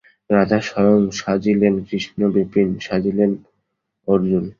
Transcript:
রাজা স্বয়ং সাজিলেন কৃষ্ণ, বিপিন সাজিলেন অর্জুন।